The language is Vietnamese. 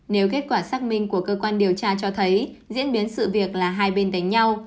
nếu kết quả xác minh của cơ quan điều tra cho thấy diễn biến sự việc là hai bên đánh nhau